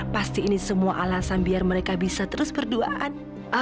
pasti ini semua alasan biar mereka bisa terus berdoaan